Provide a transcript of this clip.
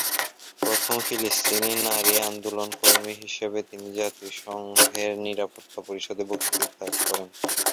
প্রথম ফিলিস্তিনি নারী আন্দোলনকর্মী হিসেবে তিনি জাতিসংঘের নিরাপত্তা পরিষদে বক্তৃতা করেন।